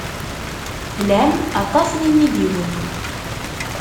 Tlam aṭas n yimidiwen.